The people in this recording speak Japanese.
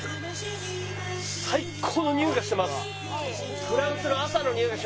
最高のにおいがしてます。